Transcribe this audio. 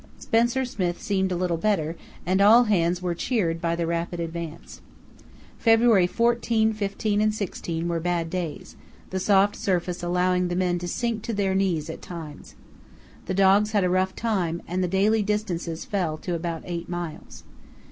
Spencer Smith seemed a little better, and all hands were cheered by the rapid advance. February 14, 15, and 16 were bad days, the soft surface allowing the men to sink to their knees at times. The dogs had a rough time, and the daily distances fell to about eight miles.